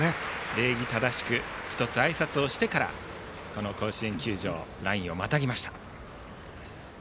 礼儀正しく１つあいさつをしてからこの甲子園球場のラインをまたぎました。